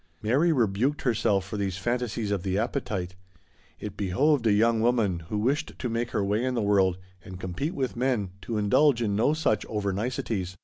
Mary rebuked her self for these fantasies of the appetite ; it be hooved a young woman who wished to make her way in the world and compete with men to indulge in no such over niceties.